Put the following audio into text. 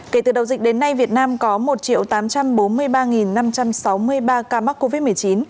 kể từ đầu dịch đến nay việt nam có một tám trăm bốn mươi ba năm trăm sáu mươi ba ca mắc covid một mươi chín